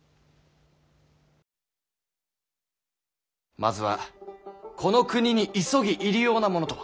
まずはこの国に急ぎ入り用なものとは？